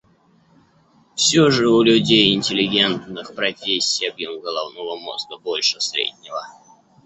Все же у людей интеллигентных профессий объем головного мозга больше среднего.